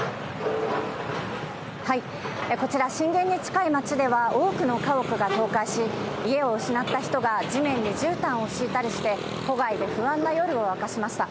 こちら、震源に近い街では多くの家屋が倒壊し家を失った人が地面にじゅうたんを敷いたりして戸外で不安な夜を明かしました。